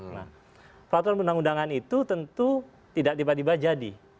nah peraturan undang undangan itu tentu tidak tiba tiba jadi